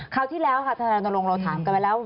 คราวที่แล้วค่ะสนานลงเราถามกันไปแล้ว